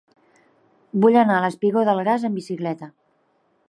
Vull anar al espigó del Gas amb bicicleta.